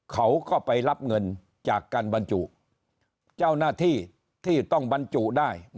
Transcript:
เขาก็ไปรับเงินจากการบรรจุเจ้าหน้าที่ที่ต้องบรรจุได้